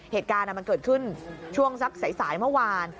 เหตุการณ์มันเกิดขึ้นช่วงสักสายเมื่อวาน